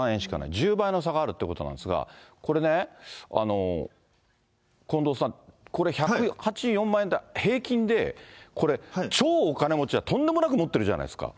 １０倍の差があるということなんですが、これね、近藤さん、これ、１８４万円って、平均で、これ、超お金持ちはとんでもなく持っているじゃないですか。